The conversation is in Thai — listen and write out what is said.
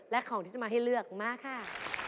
และของที่จะมาให้เลือกมาค่ะ